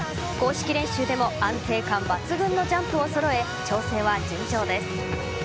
公式練習でも安定感抜群のジャンプを揃え調整は順調です。